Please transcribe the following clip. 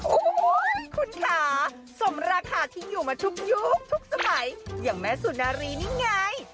โอ้โหคุณค่ะสมราคาทิ้งอยู่มาทุกยุคทุกสมัยอย่างแม่สุนารีนี่ไง